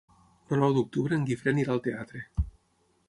El nou d'octubre en Guifré anirà al teatre.